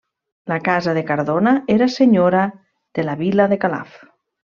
La casa de Cardona era senyora de la vila de Calaf.